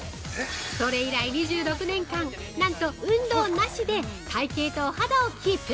それ以来２６年間なんと運動なしで体形とお肌をキープ！